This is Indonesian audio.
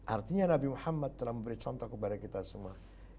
artinya nabi muhammad telah memberi contoh kepada kita semua